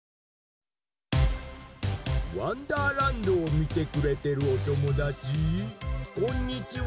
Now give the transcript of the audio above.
・「わんだーらんど」をみてくれてるおともだちこんにちは！